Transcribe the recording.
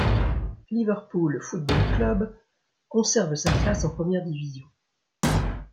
Liverpool Fútbol Club conserve sa place en première division.